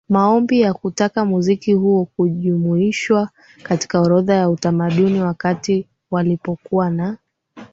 maombi ya kutaka muziki huo kujumuishwa katika orodha ya utamaduni wakati alipokuwa na